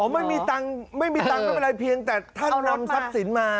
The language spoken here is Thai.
อ๋อไม่มีตังค์ก็เป็นไรเพียงแต่ท่านนำทรัพย์สินมา